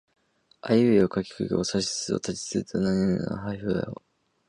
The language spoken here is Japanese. あいうえおかきくけこさしすせそたちつてとなにぬねのはひふへほ